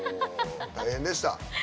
大変でした。